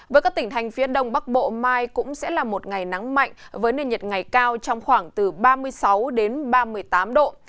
với các tỉnh thành phía đông bắc bộ mai cũng sẽ là một ngày nắng mạnh với nền nhiệt ngày cao trong khoảng từ ba mươi sáu đến ba mươi tám độ